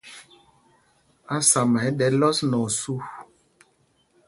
Ásama ɛ́ ɗɛ lɔs nɛ osû.